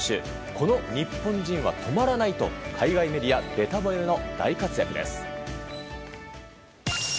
この日本人は止まらないと海外メディアべた褒めの大活躍です。